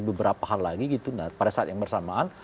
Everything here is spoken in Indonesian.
beberapa hal lagi pada saat yang bersamaan